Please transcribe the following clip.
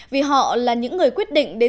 vì họ là những người quyết định đến sinh mệnh